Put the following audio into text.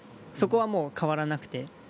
そこは変わらなくて。